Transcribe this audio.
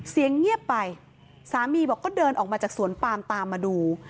เงียบไปสามีบอกก็เดินออกมาจากสวนปามตามมาดู